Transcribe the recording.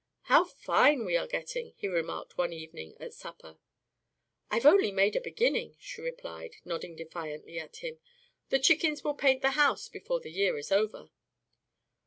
"How fine we are getting!" he remarked one evening at supper. "I've only made a beginning," she replied, nodding defiantly at him. "The chickens will paint the house before the year is over."